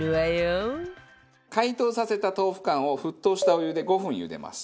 解凍させた豆腐干を沸騰したお湯で５分茹でます。